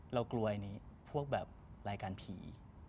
เรากลัวอันนี้พวกแบบรายการผี